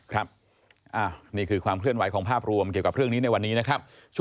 ครับนี่คือความเคลื่อนไหวของภาพรวมเกี่ยวกับเรื่องนี้ในวันนี้นะครับ